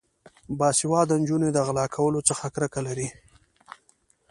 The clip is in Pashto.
باسواده نجونې د غلا کولو څخه کرکه لري.